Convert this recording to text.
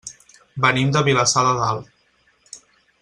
Venim de Vilassar de Dalt.